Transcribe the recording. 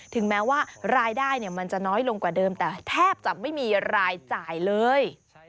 ถึงแม้ว่ารายได้มันจะน้อยลงกว่าเดิมแต่แทบจะไม่มีรายจ่ายเลย